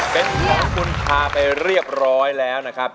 เป็นของคุณพาไปเรียบร้อยแล้วนะครับ